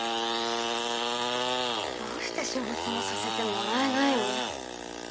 どうして仕事をさせてもらえないの？